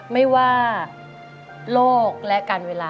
ไม่ว่าโลกและการเวลา